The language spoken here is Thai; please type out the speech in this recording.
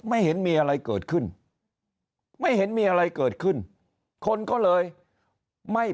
ไม่เห็นมีอะไรเกิดขึ้นไม่เห็นมีอะไรเกิดขึ้นคนก็เลยไม่